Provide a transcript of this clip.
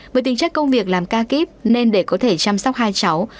với tính chất công việc làm ca kíp nên để có thể chăm sóc hai cháu